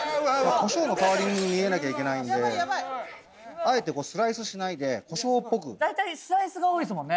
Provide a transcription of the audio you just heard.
コショウの代わりに見えなきゃいけないんであえてスライスしないでコショウっぽく大体スライスが多いですもんね